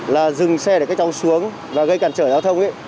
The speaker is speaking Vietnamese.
là dừng xe để các cháu xuống và gây cản trở giao thông